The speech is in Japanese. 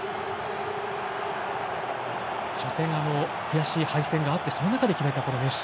初戦はあの悔しい敗戦があってその中で決めたこのメッシ。